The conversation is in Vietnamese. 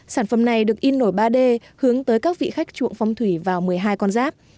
sản phẩm này được in nổi ba d hướng tới các vị khách chuộng phong thủy và một mươi hai con giáp